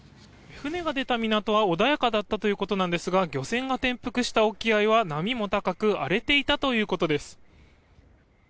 船が出た港は穏やかだったということなんですが漁船が転覆した沖合は波も高く荒れていたということです。